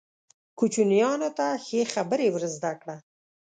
کوچنیانو ته ښې خبرې ور زده کړه.